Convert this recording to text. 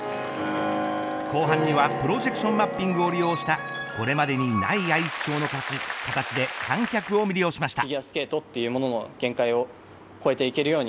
後半にはプロジェクションマッピングを利用したこれまでにないアイスショーの形で観客を魅了しました。